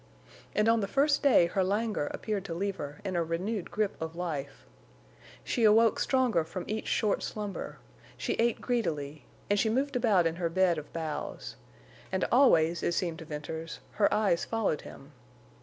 And on the first day her languor appeared to leave her in a renewed grip of life. She awoke stronger from each short slumber; she ate greedily, and she moved about in her bed of boughs; and always, it seemed to Venters, her eyes followed him.